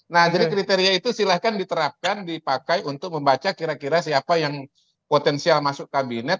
nah jadi kriteria itu silahkan diterapkan dipakai untuk membaca kira kira siapa yang potensial masuk kabinet